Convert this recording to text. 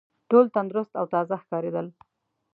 ټول تندرست او تازه ښکارېدل.